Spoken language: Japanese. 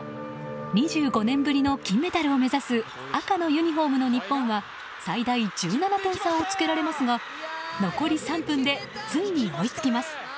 ２５年ぶりの金メダルを目指す赤のユニホーム、日本は最大１７点差をつけられますが残り３分でついに追いつきます。